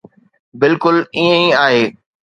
بلڪل ائين ئي آهي.